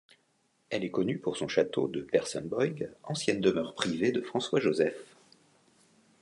Elle est connue pour son château de Persenbeug, ancienne demeure privée de François-Joseph.